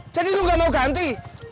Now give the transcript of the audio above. jadi lo gak mau ganti